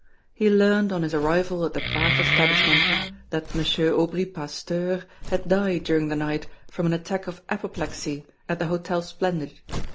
He learned on his arrival at the bath establishment that M. Aubry Pasteur had died during the night from an attack of apoplexy at the Hotel Splendid.